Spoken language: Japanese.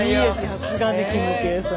さすがねキムケイさん。